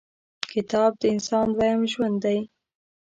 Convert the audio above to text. • کتاب، د انسان دویم ژوند دی.